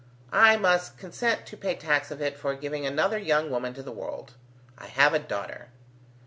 I must consent to pay tax of it for giving another young woman to the world. I have a daughter!